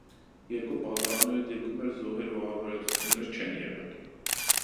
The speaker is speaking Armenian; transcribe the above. Երկու պատահարների դեպքում էլ զոհեր ու ավերածություններ չեն եղել։